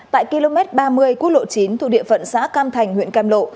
tại km ba mươi quốc lộ chín thuộc địa phận xã cam thành huyện cam lộ